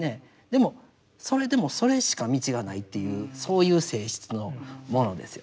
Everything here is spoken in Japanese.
でもそれでもそれしか道がないというそういう性質のものですよね。